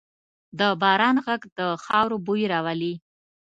د باران ږغ د خاورو بوی راولي.